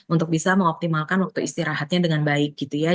untuk bisa mengoptimalkan waktu istirahatnya dengan baik gitu ya